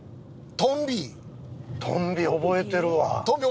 トンビ覚えてる？